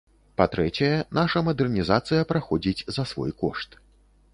Па-трэцяе, наша мадэрнізацыя праходзіць за свой кошт.